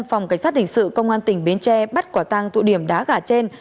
phòng cảnh sát hình sự công an tỉnh bến tre bắt quả tang thủ điểm đá gạo trên